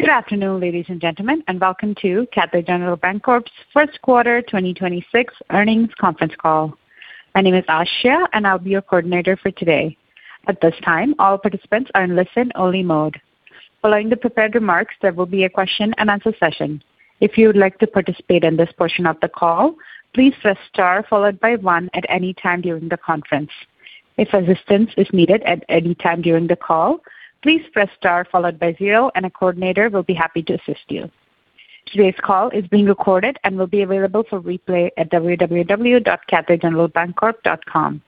Good afternoon, ladies and gentlemen, and welcome to Cathay General Bancorp's first quarter 2026 earnings conference call. My name is Ashia, and I'll be your coordinator for today. At this time, all participants are in listen-only mode. Following the prepared remarks, there will be a question and answer session. If you would like to participate in this portion of the call, please press star followed by one at any time during the conference. If assistance is needed at any time during the call, please press star followed by zero, and a coordinator will be happy to assist you. Today's call is being recorded and will be available for replay at www.cathaygeneralbancorp.com.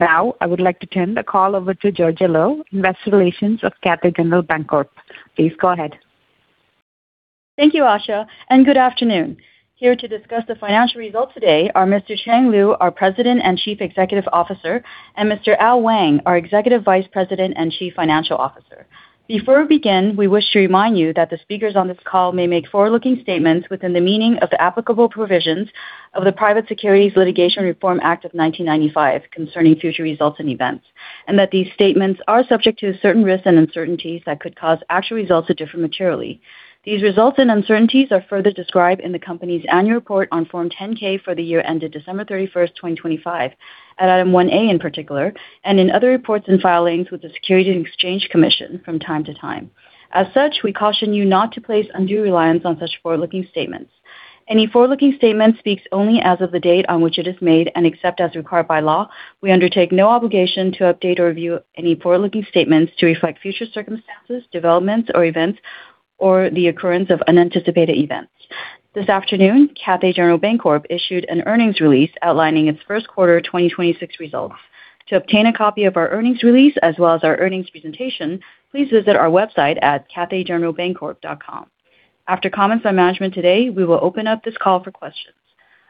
Now, I would like to turn the call over to Georgia Lo, Investor Relations of Cathay General Bancorp. Please go ahead. Thank you, Ashia, and good afternoon. Here to discuss the financial results today are Mr. Chang Liu, our President and Chief Executive Officer, and Mr. Al Wang, our Executive Vice President and Chief Financial Officer. Before we begin, we wish to remind you that the speakers on this call may make forward-looking statements within the meaning of the applicable provisions of the Private Securities Litigation Reform Act of 1995 concerning future results and events, and that these statements are subject to certain risks and uncertainties that could cause actual results to differ materially. These risks and uncertainties are further described in the company's annual report on Form 10-K for the year ended December 31st, 2025 at Item 1A in particular, and in other reports and filings with the Securities and Exchange Commission from time to time. As such, we caution you not to place undue reliance on such forward-looking statements. Any forward-looking statement speaks only as of the date on which it is made, and except as required by law, we undertake no obligation to update or review any forward-looking statements to reflect future circumstances, developments, or events, or the occurrence of unanticipated events. This afternoon, Cathay General Bancorp issued an earnings release outlining its first quarter 2026 results. To obtain a copy of our earnings release as well as our earnings presentation, please visit our website at cathaygeneralbancorp.com. After comments by management today, we will open up this call for questions.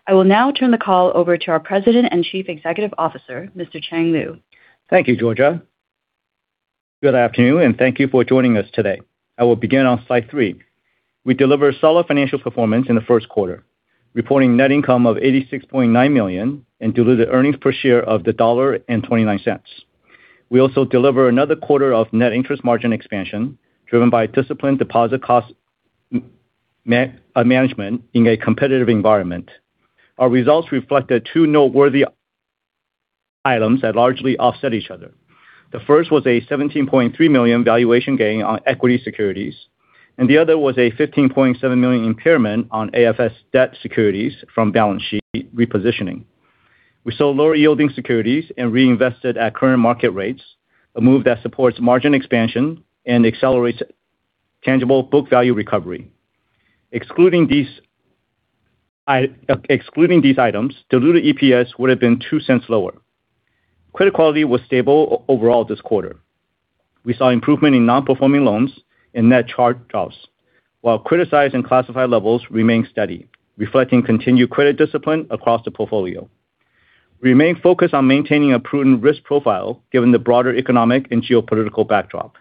I will now turn the call over to our President and Chief Executive Officer, Mr. Chang Liu. Thank you, Georgia. Good afternoon, and thank you for joining us today. I will begin on slide three. We delivered solid financial performance in the first quarter, reporting net income of $86.9 million and diluted earnings per share of $1.29. We also deliver another quarter of net interest margin expansion driven by disciplined deposit cost management in a competitive environment. Our results reflected two noteworthy items that largely offset each other. The first was a $17.3 million valuation gain on equity securities, and the other was a $15.7 million impairment on AFS debt securities from balance sheet repositioning. We sold lower yielding securities and reinvested at current market rates, a move that supports margin expansion and accelerates tangible book value recovery. Excluding these items, diluted EPS would have been $0.02 lower. Credit quality was stable overall this quarter. We saw improvement in non-performing loans and net charge-offs, while criticized and classified levels remain steady, reflecting continued credit discipline across the portfolio. We remain focused on maintaining a prudent risk profile given the broader economic and geopolitical backdrop.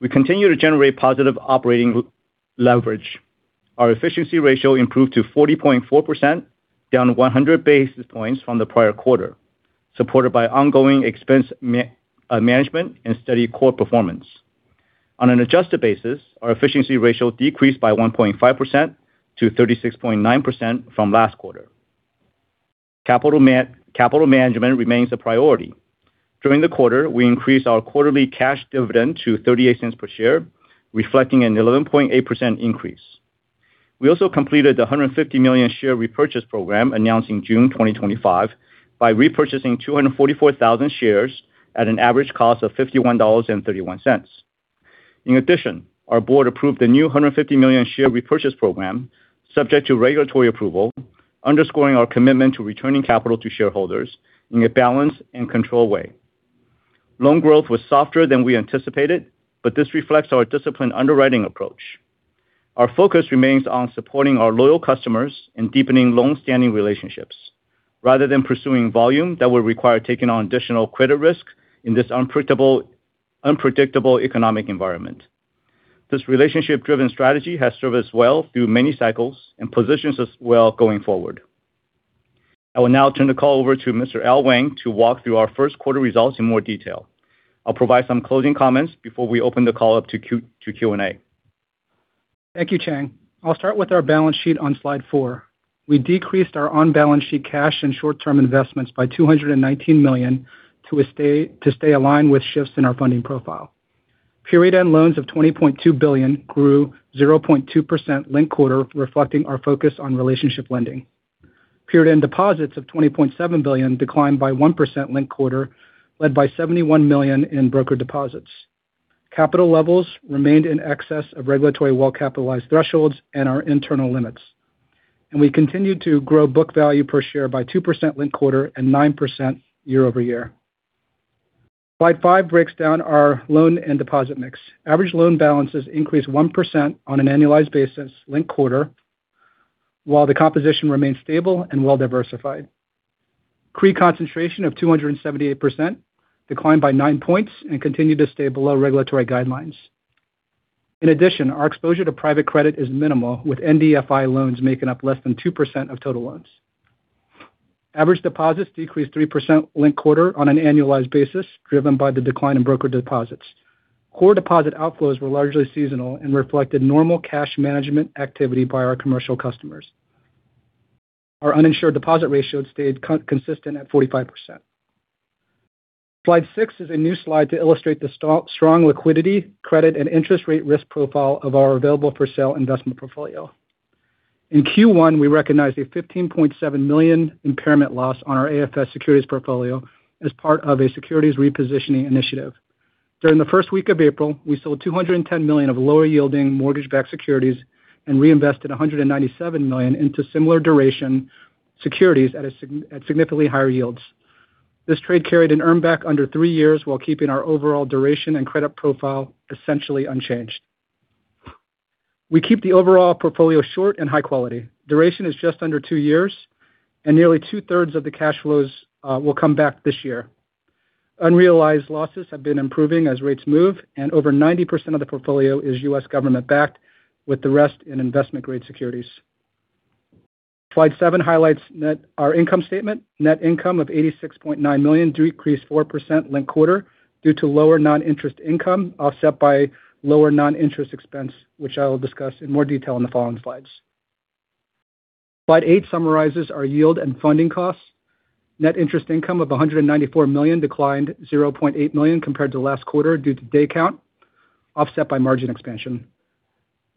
We continue to generate positive operating leverage. Our efficiency ratio improved to 40.4%, down 100 basis points from the prior quarter, supported by ongoing expense management and steady core performance. On an adjusted basis, our efficiency ratio decreased by 1.5% to 36.9% from last quarter. Capital management remains a priority. During the quarter, we increased our quarterly cash dividend to $0.38 per share, reflecting an 11.8% increase. We also completed the $150 million share repurchase program announced in June 2025 by repurchasing 244,000 shares at an average cost of $51.31. In addition, our Board approved a new $150 million share repurchase program subject to regulatory approval, underscoring our commitment to returning capital to shareholders in a balanced and controlled way. Loan growth was softer than we anticipated, but this reflects our disciplined underwriting approach. Our focus remains on supporting our loyal customers and deepening long-standing relationships rather than pursuing volume that would require taking on additional credit risk in this unpredictable economic environment. This relationship-driven strategy has served us well through many cycles and positions us well going forward. I will now turn the call over to Mr. Al Wang to walk through our first quarter results in more detail. I'll provide some closing comments before we open the call up to Q&A. Thank you, Chang. I'll start with our balance sheet on slide four. We decreased our on-balance sheet cash and short-term investments by $219 million to stay aligned with shifts in our funding profile. Period-end loans of $20.2 billion grew 0.2% linked-quarter, reflecting our focus on relationship lending. Period-end deposits of $20.7 billion declined by 1% linked-quarter, led by $71 million in broker deposits. Capital levels remained in excess of regulatory well-capitalized thresholds and our internal limits, and we continued to grow book value per share by 2% linked-quarter and 9% year-over-year. Slide five breaks down our loan and deposit mix. Average loan balances increased 1% on an annualized basis linked-quarter, while the composition remained stable and well-diversified. Credit concentration of 278% declined by 9 points and continued to stay below regulatory guidelines. In addition, our exposure to private credit is minimal, with NDFI loans making up less than 2% of total loans. Average deposits decreased 3% linked-quarter on an annualized basis, driven by the decline in broker deposits. Core deposit outflows were largely seasonal and reflected normal cash management activity by our commercial customers. Our uninsured deposit ratio stayed consistent at 45%. Slide six is a new slide to illustrate the strong liquidity, credit, and interest rate risk profile of our available for sale investment portfolio. In Q1, we recognized a $15.7 million impairment loss on our AFS securities portfolio as part of a securities repositioning initiative. During the first week of April, we sold $210 million of lower yielding mortgage-backed securities and reinvested $197 million into similar duration securities at significantly higher yields. This trade carried an earn back under three years while keeping our overall duration and credit profile essentially unchanged. We keep the overall portfolio short and high quality. Duration is just under two years, and nearly two-thirds of the cash flows will come back this year. Unrealized losses have been improving as rates move, and over 90% of the portfolio is U.S. government-backed, with the rest in investment-grade securities. Slide seven highlights our income statement. Net income of $86.9 million decreased 4% linked-quarter due to lower non-interest income, offset by lower non-interest expense, which I will discuss in more detail in the following slides. Slide eight summarizes our yield and funding costs. Net interest income of $194 million declined $0.8 million compared to last quarter due to day count, offset by margin expansion.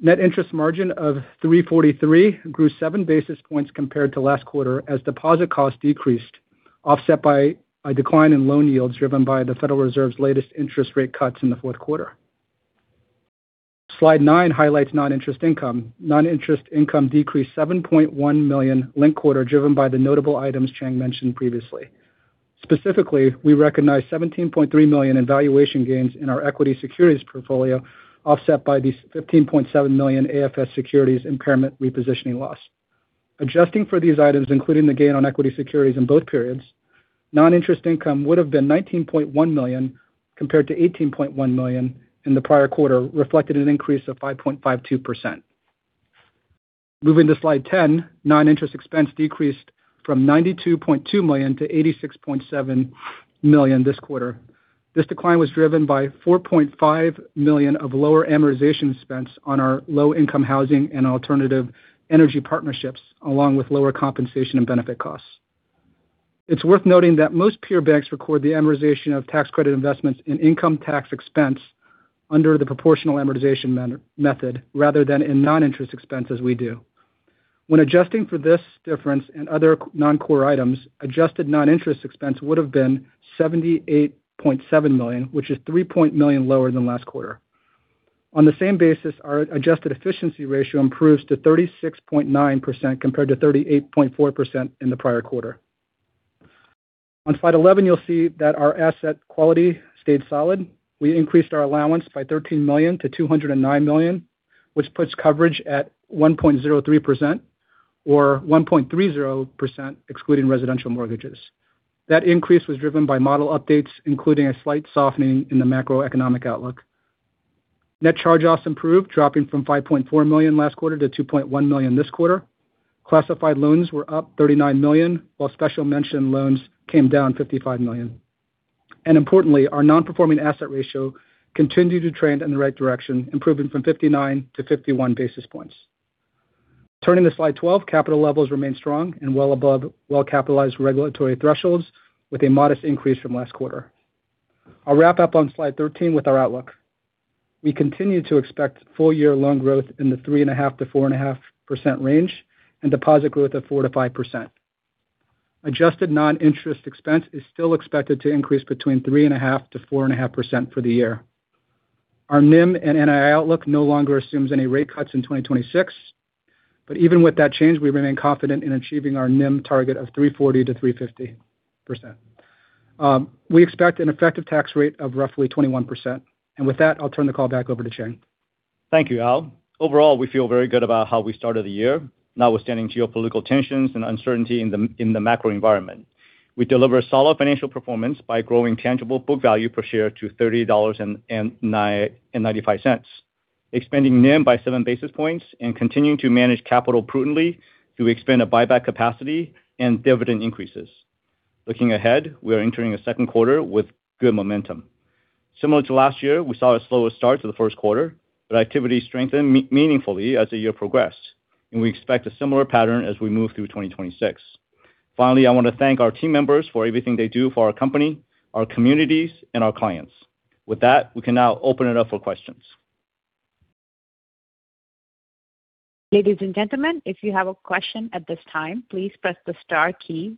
Net interest margin of 3.43% grew 7 basis points compared to last quarter as deposit costs decreased, offset by a decline in loan yields driven by the Federal Reserve's latest interest rate cuts in the fourth quarter. Slide nine highlights non-interest income. Non-interest income decreased $7.1 million linked-quarter, driven by the notable items Chang mentioned previously. Specifically, we recognized $17.3 million in valuation gains in our equity securities portfolio, offset by the $15.7 million AFS securities impairment repositioning loss. Adjusting for these items, including the gain on equity securities in both periods, non-interest income would have been $19.1 million compared to $18.1 million in the prior quarter, reflecting an increase of 5.52%. Moving to slide 10, non-interest expense decreased from $92.2 million to $86.7 million this quarter. This decline was driven by $4.5 million of lower amortization expense on our low-income housing and alternative energy partnerships, along with lower compensation and benefit costs. It's worth noting that most peer banks record the amortization of tax credit investments in income tax expense under the proportional amortization method rather than in non-interest expense as we do. When adjusting for this difference in other non-core items, adjusted non-interest expense would have been $78.7 million, which is $3 million lower than last quarter. On the same basis, our adjusted efficiency ratio improves to 36.9% compared to 38.4% in the prior quarter. On slide 11, you'll see that our asset quality stayed solid. We increased our allowance by $13 million to $209 million, which puts coverage at 1.03% or 1.30% excluding residential mortgages. That increase was driven by model updates, including a slight softening in the macroeconomic outlook. Net charge-offs improved, dropping from $5.4 million last quarter to $2.1 million this quarter. Classified loans were up $39 million, while special mention loans came down $55 million. Importantly, our non-performing asset ratio continued to trend in the right direction, improving from 59 to 51 basis points. Turning to slide 12, capital levels remain strong and well above well-capitalized regulatory thresholds with a modest increase from last quarter. I'll wrap up on slide 13 with our outlook. We continue to expect full-year loan growth in the 3.5%-4.5% range and deposit growth of 4%-5%. Adjusted non-interest expense is still expected to increase between 3.5%-4.5% for the year. Our NIM and NII outlook no longer assumes any rate cuts in 2026. Even with that change, we remain confident in achieving our NIM target of 3.40%-3.50%. We expect an effective tax rate of roughly 21%. With that, I'll turn the call back over to Chang. Thank you, Al. Overall, we feel very good about how we started the year, notwithstanding geopolitical tensions and uncertainty in the macro environment. We deliver solid financial performance by growing tangible book value per share to $30.95, expanding NIM by 7 basis points and continuing to manage capital prudently to expand our buyback capacity and dividend increases. Looking ahead, we are entering the second quarter with good momentum. Similar to last year, we saw a slower start to the first quarter, but activity strengthened meaningfully as the year progressed. We expect a similar pattern as we move through 2026. Finally, I want to thank our team members for everything they do for our company, our communities, and our clients. With that, we can now open it up for questions. Ladies and gentlemen, if you have a question at this time, please press the star key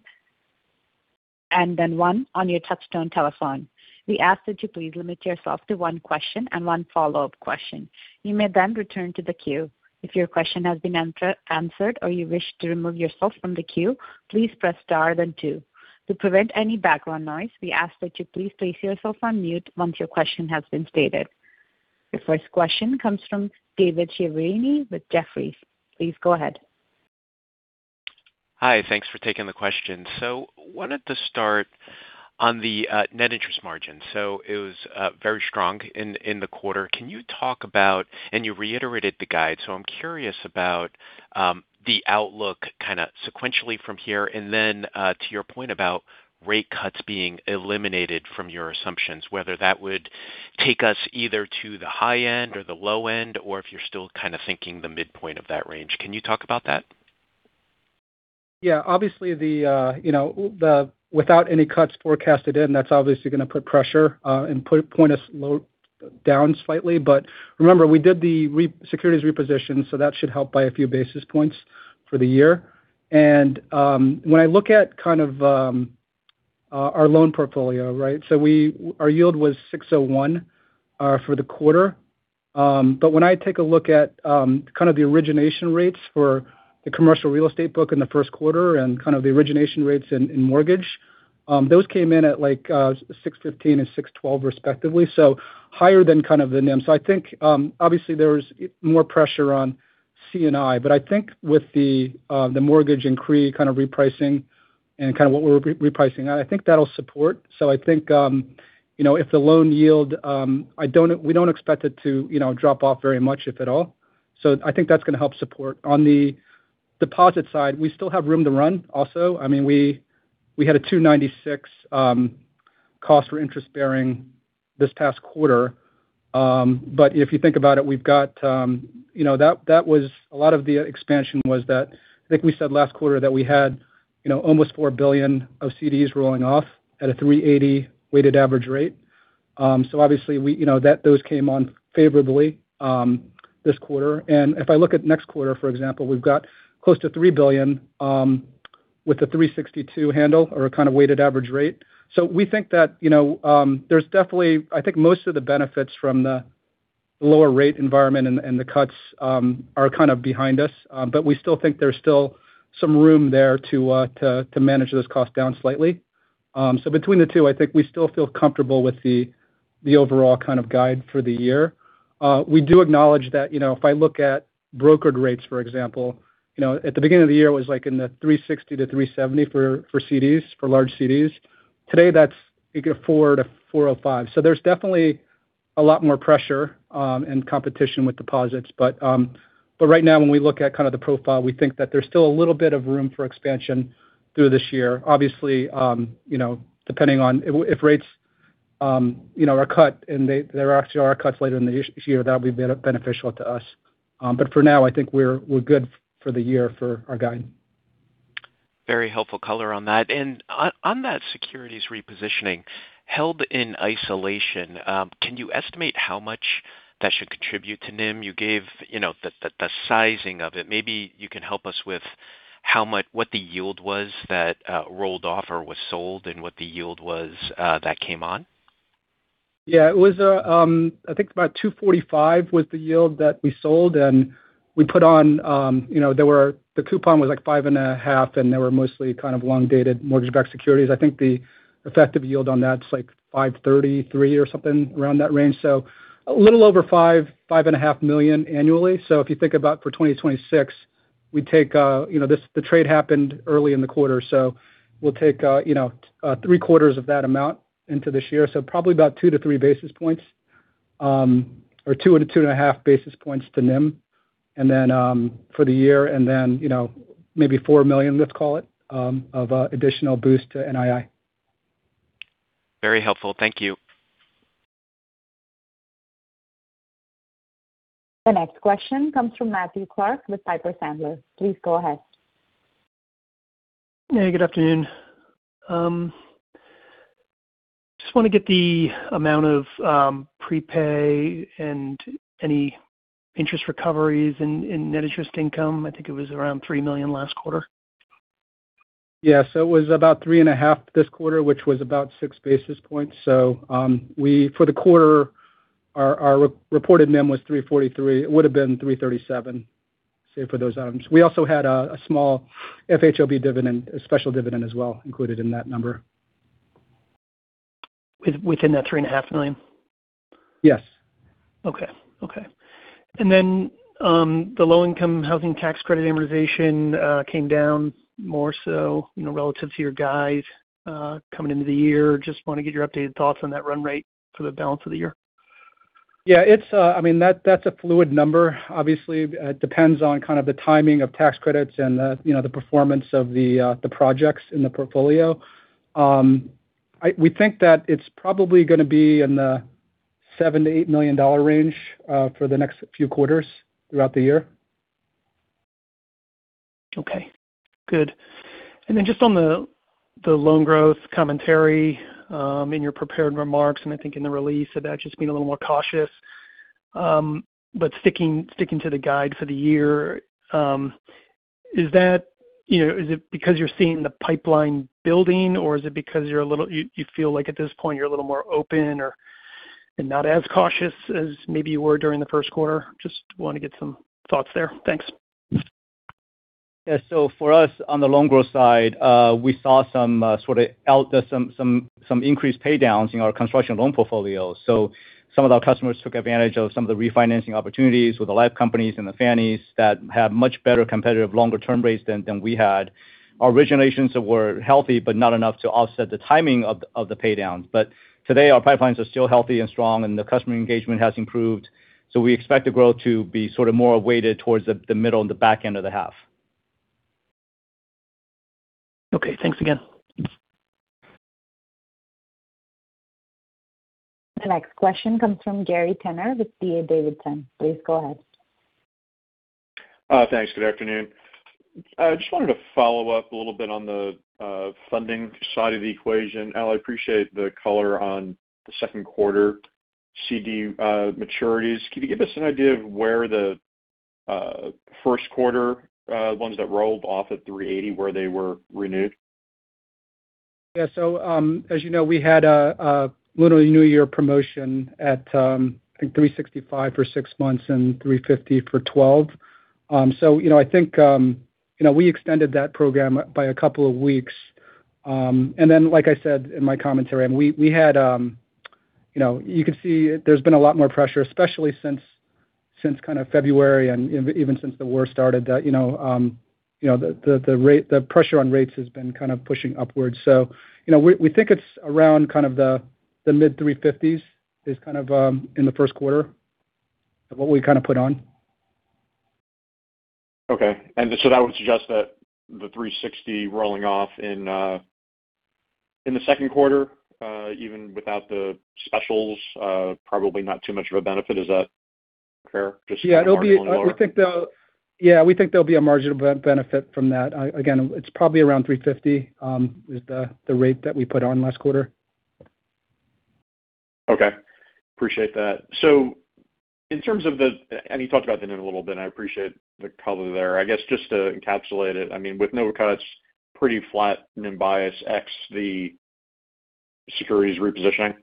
and then one on your touch-tone telephone. We ask that you please limit yourself to one question and one follow-up question. You may then return to the queue. If your question has been answered or you wish to remove yourself from the queue, please press star then two. To prevent any background noise, we ask that you please place yourself on mute once your question has been stated. Your first question comes from David Chiaverini with Jefferies. Please go ahead. Hi. Thanks for taking the question. Wanted to start on the net interest margin. It was very strong in the quarter. Can you talk about and you reiterated the guide, so I'm curious about the outlook kind of sequentially from here and then to your point about rate cuts being eliminated from your assumptions, whether that would take us either to the high end or the low end, or if you're still kind of thinking the midpoint of that range. Can you talk about that? Yeah. Obviously, without any cuts forecasted in, that's obviously going to put pressure and point us down slightly. Remember, we did the securities reposition, so that should help by a few basis points for the year. When I look at kind of our loan portfolio, right? Our yield was 6.01% for the quarter. When I take a look at kind of the origination rates for the commercial real estate book in the first quarter and kind of the origination rates in mortgage, those came in at like 6.15% and 6.12% respectively. Higher than kind of the NIM. I think, obviously, there's more pressure on C&I. I think with the mortgage and CRE kind of repricing and kind of what we're repricing, I think that'll support. I think if the loan yield, we don't expect it to drop off very much, if at all. I think that's going to help support. On the deposit side, we still have room to run also. I mean, we had a 2.96% cost for interest-bearing this past quarter. If you think about it, a lot of the expansion was that I think we said last quarter that we had almost $4 billion of CDs rolling off at a 3.80% weighted average rate. Obviously those came on favorably this quarter. If I look at next quarter, for example, we've got close to $3 billion with a 3.62% handle or a kind of weighted average rate. We think that there's definitely. I think most of the benefits from the lower rate environment and the cuts are kind of behind us. We still think there's still some room there to manage those costs down slightly. Between the two, I think we still feel comfortable with the overall kind of guide for the year. We do acknowledge that if I look at brokered rates, for example, at the beginning of the year was like in the 3.60%-3.70% for large CDs. Today that's 4.00%-4.05%. There's definitely a lot more pressure and competition with deposits. Right now when we look at kind of the profile, we think that there's still a little bit of room for expansion through this year. Obviously, depending on if rates are cut and there actually are cuts later in this year, that'll be beneficial to us. For now, I think we're good for the year for our guide. Very helpful color on that. On that securities repositioning held in isolation, can you estimate how much that should contribute to NIM? You gave the sizing of it. Maybe you can help us with what the yield was that rolled off or was sold, and what the yield was that came on. Yeah. I think about 2.45% was the yield that we sold, and we put on the coupon was like $5.5 million, and they were mostly kind of long-dated mortgage-backed securities. I think the effective yield on that is like 5.33% or something around that range. A little over $5 million-$5.5 million annually. If you think about for 2026, the trade happened early in the quarter. We'll take three-quarters of that amount into this year. Probably about 2-3 basis points, or 2-2.5 basis points to NIM for the year. Then maybe $4 million, let's call it, of additional boost to NII. Very helpful. Thank you. The next question comes from Matthew Clark with Piper Sandler. Please go ahead. Hey, good afternoon. Just want to get the amount of prepay and any interest recoveries in net interest income. I think it was around $3 million last quarter. Yeah. It was about $3.5 million this quarter, which was about 6 basis points. For the quarter, our reported NIM was 3.43%. It would have been 3.37%, say, for those items. We also had a small FHLB dividend, a special dividend as well included in that number. Within that $3.5 million? Yes. Okay. The low-income housing tax credit amortization came down more so relative to your guide coming into the year. I just want to get your updated thoughts on that run rate for the balance of the year. Yeah. I mean, that's a fluid number. Obviously, it depends on kind of the timing of tax credits and the performance of the projects in the portfolio. We think that it's probably going to be in the $7 million-$8 million range for the next few quarters throughout the year. Okay, good. Just on the loan growth commentary in your prepared remarks and I think in the release about just being a little more cautious but sticking to the guide for the year. Is it because you're seeing the pipeline building, or is it because you feel like at this point you're a little more open and not as cautious as maybe you were during the first quarter? I just want to get some thoughts there. Thanks. Yeah. For us, on the loan growth side, we saw some increased paydowns in our construction loan portfolio. Some of our customers took advantage of some of the refinancing opportunities with the life companies and the Fannies that have much better competitive longer term rates than we had. Our originations were healthy, but not enough to offset the timing of the paydowns. Today, our pipelines are still healthy and strong, and the customer engagement has improved. We expect the growth to be more weighted towards the middle and the back end of the half. Okay. Thanks again. The next question comes from Gary Tenner with D.A. Davidson. Please go ahead. Thanks. Good afternoon. Just wanted to follow up a little bit on the funding side of the equation. Al, I appreciate the color on the second quarter CD maturities. Can you give us an idea of where the first quarter ones that rolled off at $380 million, where they were renewed? Yeah. As you know, we had a little New Year promotion at, I think 3.65% for six months and 3.50% for 12. I think we extended that program by a couple of weeks. Like I said in my commentary, you can see there's been a lot more pressure, especially since February and even since the war started, the pressure on rates has been kind of pushing upwards. We think it's around the mid-3.50s% is kind of in the first quarter of what we kind of put on. Okay. That would suggest that the 3.60% rolling off in the second quarter even without the specials, probably not too much of a benefit. Is that fair? Yeah. We think there'll be a marginal benefit from that. Again, it's probably around 3.50% is the rate that we put on last quarter. Okay. Appreciate that. In terms of the, and you talked about the NIM a little bit, and I appreciate the color there. I guess just to encapsulate it. I mean, with no cuts, pretty flat NIM bias ex the securities repositioning.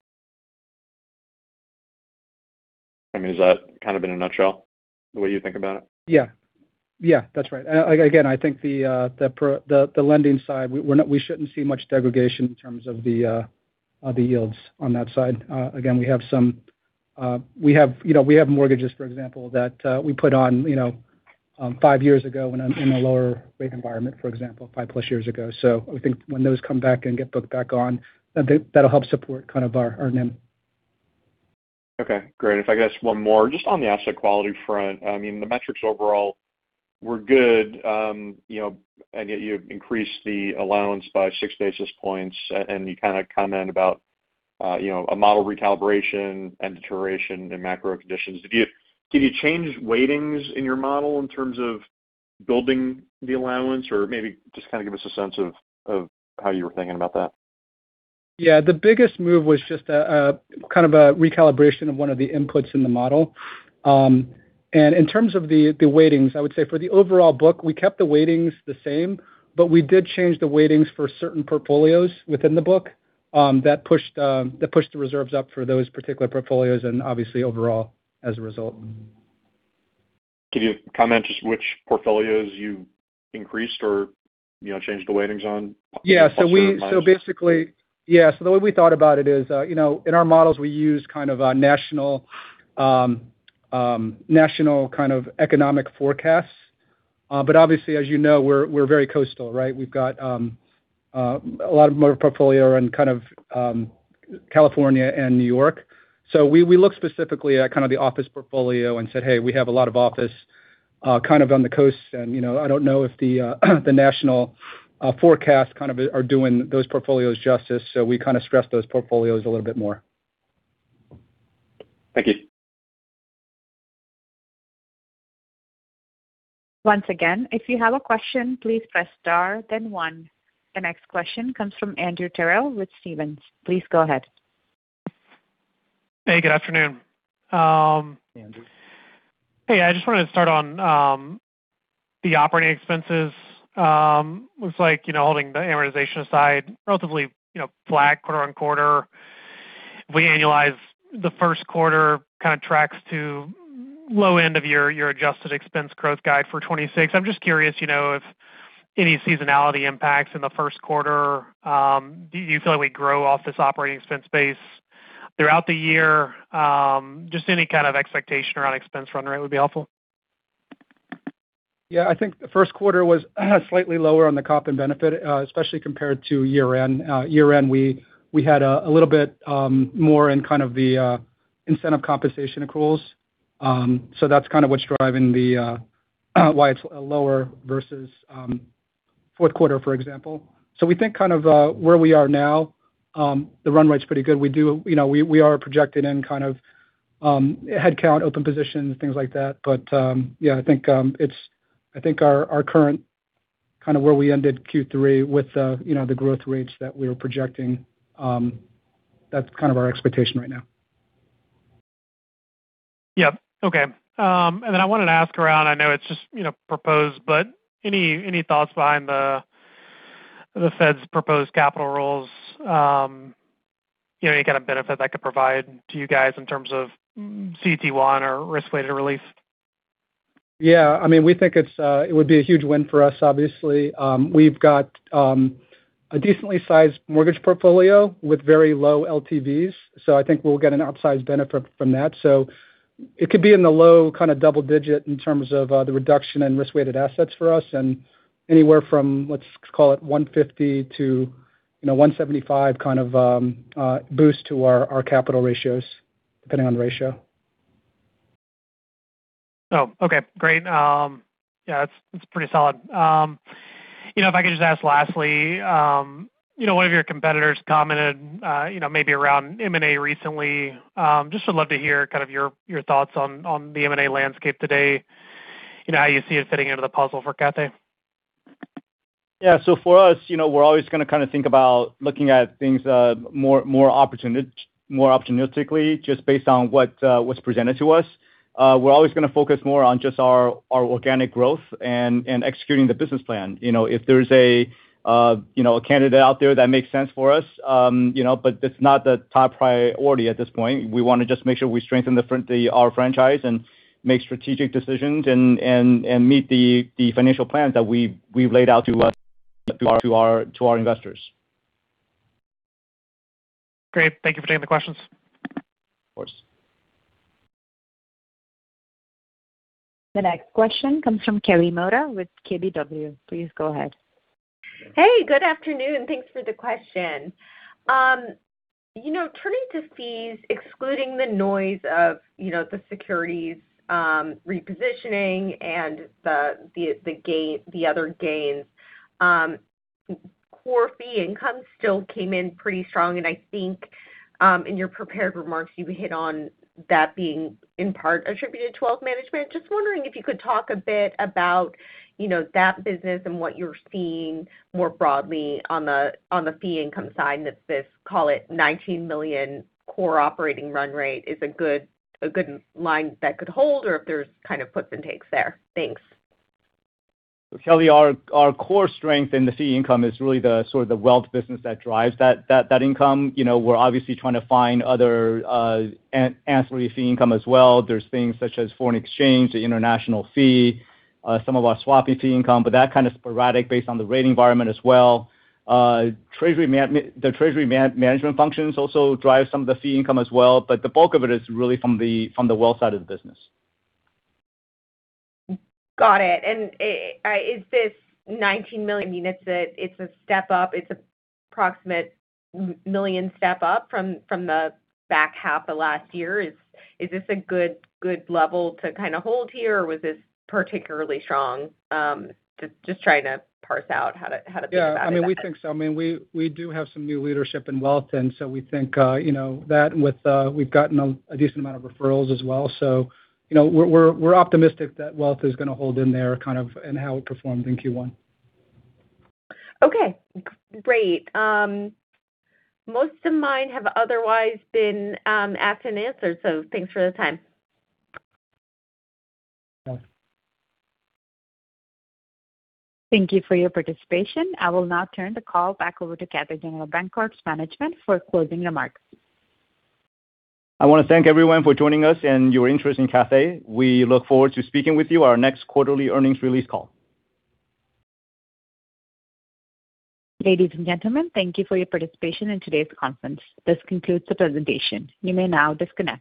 I mean, is that kind of in a nutshell the way you think about it? Yeah. That's right. Again, I think the lending side, we shouldn't see much degradation in terms of the yields on that side. Again, we have mortgages, for example, that we put on five years ago when in a lower rate environment, for example, 5+ years ago. We think when those come back and get booked back on, that'll help support kind of our NIM. Okay, great. If I could ask one more, just on the asset quality front, I mean, the metrics overall were good. Yet you increased the allowance by 6 basis points, and you kind of comment about a model recalibration and deterioration in macro conditions. Did you change weightings in your model in terms of building the allowance? Maybe just kind of give us a sense of how you were thinking about that. Yeah. The biggest move was just kind of a recalibration of one of the inputs in the model. In terms of the weightings, I would say for the overall book, we kept the weightings the same, but we did change the weightings for certain portfolios within the book that pushed the reserves up for those particular portfolios and obviously overall as a result. Could you comment just which portfolios you increased or changed the weightings on? Yeah. The way we thought about it is in our models, we use kind of a national kind of economic forecasts. Obviously, as you know, we're very coastal, right? We've got a lot of mortgage portfolio and kind of California and New York. We look specifically at kind of the office portfolio and said, "Hey, we have a lot of office kind of on the coast." I don't know if the national forecasts kind of are doing those portfolios justice. We kind of stressed those portfolios a little bit more. Thank you. Once again, if you have a question, please press star then one. The next question comes from Andrew Terrell with Stephens. Please go ahead. Hey, good afternoon. Andrew. Hey, I just wanted to start on the operating expenses. Looks like holding the amortization aside, relatively flat quarter-over-quarter. If we annualize the first quarter, kind of tracks to low end of your adjusted expense growth guide for 2026. I'm just curious if any seasonality impacts in the first quarter. Do you feel like we grow off this operating expense base throughout the year? Just any kind of expectation around expense run rate would be helpful. Yeah, I think the first quarter was slightly lower on the comp and benefit, especially compared to year-end. Year-end, we had a little bit more in kind of the incentive compensation accruals. That's kind of what's driving why it's lower versus fourth quarter, for example. We think kind of where we are now, the run rate's pretty good. We are projecting in kind of headcount, open positions, things like that. Yeah, I think our current kind of where we ended Q1 with the growth rates that we were projecting, that's kind of our expectation right now. Yep. Okay. I wanted to ask around. I know it's just proposed, but any thoughts behind the Fed's proposed capital rules, any kind of benefit that could provide to you guys in terms of CET1 or risk-weighted release? Yeah. We think it would be a huge win for us, obviously. We've got a decently sized mortgage portfolio with very low LTVs, so I think we'll get an outsized benefit from that. It could be in the low double digit in terms of the reduction in risk-weighted assets for us, and anywhere from, let's call it, 1.50%-1.75% kind of boost to our capital ratios, depending on ratio. Oh, okay. Great. Yeah, that's pretty solid. If I could just ask lastly, one of your competitors commented maybe around M&A recently. Just would love to hear your thoughts on the M&A landscape today and how you see it fitting into the puzzle for Cathay. Yeah. For us, we're always going to think about looking at things more opportunistically, just based on what's presented to us. We're always going to focus more on just our organic growth and executing the business plan. If there's a candidate out there that makes sense for us, but that's not the top priority at this point. We want to just make sure we strengthen our franchise, and make strategic decisions, and meet the financial plans that we've laid out to our investors. Great. Thank you for taking the questions. Of course. The next question comes from Kelly Motta with KBW. Please go ahead. Hey, good afternoon, and thanks for the question. Turning to fees, excluding the noise of the securities repositioning and the other gains, core fee income still came in pretty strong, and I think in your prepared remarks, you hit on that being in part attributed to wealth management. Just wondering if you could talk a bit about that business and what you're seeing more broadly on the fee income side, that this, call it $19 million core operating run rate is a good line that could hold or if there's kind of puts and takes there. Thanks. Kelly, our core strength in the fee income is really the sort of the wealth business that drives that income. We're obviously trying to find other ancillary fee income as well. There's things such as foreign exchange, the international fee, some of our swapping fee income. That kind of sporadic based on the rate environment as well. The treasury management functions also drive some of the fee income as well. The bulk of it is really from the wealth side of the business. Got it. Is this $19 million, I mean, it's a step up, it's a $19 million step up from the back half of last year. Is this a good level to kind of hold here, or was this particularly strong? Just trying to parse out how to think about it. Yeah, we think so. We do have some new leadership in wealth, and so we think that we've gotten a decent amount of referrals as well. We're optimistic that wealth is going to hold in there kind of, and how it performed in Q1. Okay, great. Most of mine have otherwise been asked and answered, so thanks for the time. Yeah. Thank you for your participation. I will now turn the call back over to Cathay General Bancorp's management for closing remarks. I want to thank everyone for joining us and your interest in Cathay. We look forward to speaking with you on our next quarterly earnings release call. Ladies and gentlemen, thank you for your participation in today's conference. This concludes the presentation. You may now disconnect.